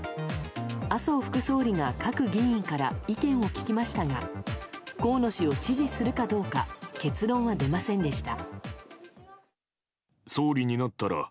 麻生副総理が各議員から意見を聞きましたが河野氏を支持するかどうか結論は出ませんでした。